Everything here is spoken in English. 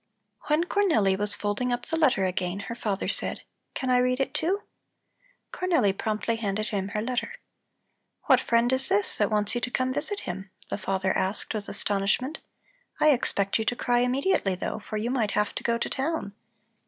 When Cornelli was folding up the letter again, her father said: "Can I read it, too?" Cornelli promptly handed him her letter. "What friend is this that wants you to come to visit him?" the father asked with astonishment. "I expect you to cry immediately, though, for you might have to go to town."